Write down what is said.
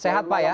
sehat pak ya